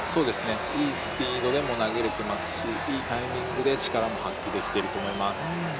いいスピードでも投げれていますし、いいタイミングで力も発揮できてると思います。